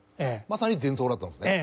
まさに前奏だったんですね。